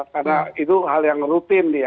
karena itu hal yang rutin ya